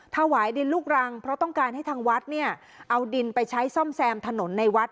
ถวายดินลูกรังเพราะต้องการให้ทางวัดเนี่ยเอาดินไปใช้ซ่อมแซมถนนในวัด